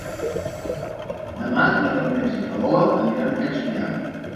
Demà na Farners i na Lola aniran a Crespià.